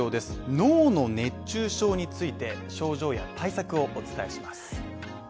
脳の熱中症について、症状や対策をお伝えします。